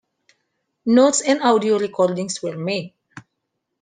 Notes and audio recordings were made.